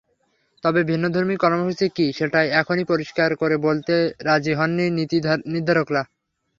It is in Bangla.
তবে ভিন্নধর্মী কর্মসূচি কী, সেটা এখনই পরিষ্কার করে বলতে রাজি হননি নীতিনির্ধারকেরা।